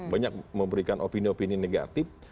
banyak memberikan opini opini negatif